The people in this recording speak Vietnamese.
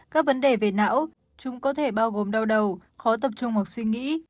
các vấn đề về não chúng có thể bao gồm đau đầu khó tập trung hoặc suy nghĩ